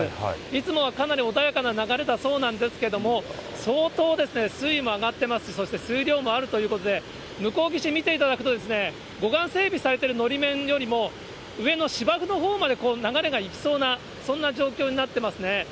いつもはかなり穏やかな流れなそうなんですけれども、相当、水位も上がってます、そして水量もあるということで、向こう岸、見ていただくと、護岸整備されてるのり面よりも、上の芝生のほうまで流れが行きそうな、そんな状況になってますね。